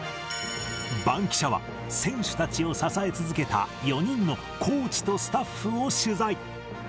バンキシャは、選手たちを支え続けた４人のコーチとスタッフを取材。